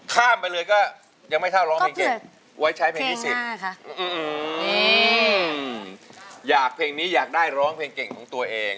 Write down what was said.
ข้ามไปเลยก็ยังไม่ช่างร้องเพลงเก่ง